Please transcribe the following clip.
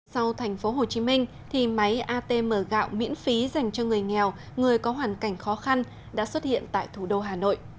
sau thành phố hồ chí minh thì máy atm gạo miễn phí dành cho người nghèo người có hoàn cảnh khó khăn đã xuất hiện tại thủ đô hà nội